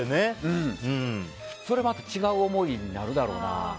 それは違う思いになるだろうな。